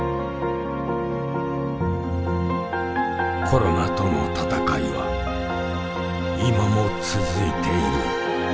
コロナとの闘いは今も続いている。